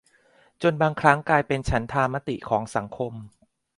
จนบางครั้งกลายเป็นฉันทามติของสังคม